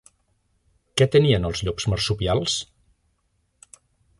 Què tenien els llops marsupials?